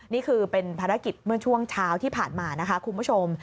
นี่คือเป็นภารกิจเมื่อช่วงเช้าที่ผ่านมานะคะคุณผู้ชม